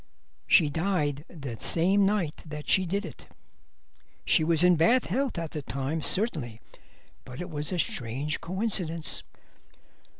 She died the same night that she did it. She was in bad health at the time, certainly, but it was a strange coincidence."